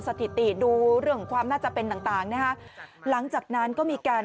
สถิติดูเรื่องความน่าจะเป็นต่างต่างนะฮะหลังจากนั้นก็มีการ